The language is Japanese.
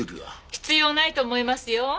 必要ないと思いますよ。